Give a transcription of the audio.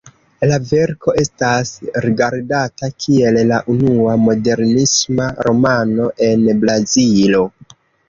La verko estas rigardata kiel la unua "modernisma" romano en Brazilo.